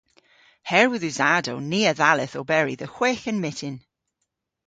Herwydh usadow ni a dhalleth oberi dhe hwegh a'n myttin.